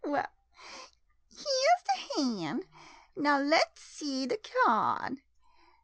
] Well, hyah 's de hand, now let 's see de cyard.